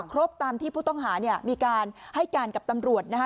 ครบตามที่ผู้ต้องหาเนี่ยมีการให้การกับตำรวจนะคะ